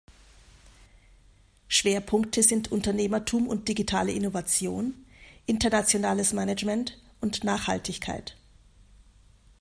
Schwerpunkte sind Unternehmertum und digitale Innovation, Internationales Management, und Nachhaltigkeit.